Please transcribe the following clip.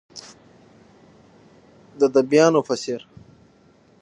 د دیبانو په څیر،